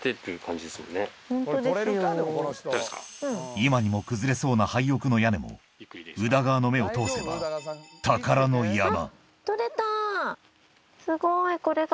今にも崩れそうな廃屋の屋根も宇田川の目を通せば宝の山すごいこれが。